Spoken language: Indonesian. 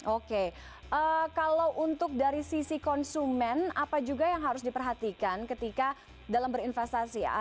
oke kalau untuk dari sisi konsumen apa juga yang harus diperhatikan ketika dalam berinvestasi ya